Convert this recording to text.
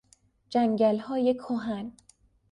جنگلهای کهن